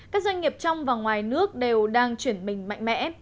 các doanh nghiệp trong và ngoài nước đều đang chuyển mình mạnh mẽ